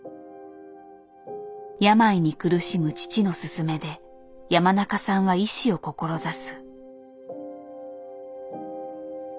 病に苦しむ父の勧めで山中さんは医師を志す。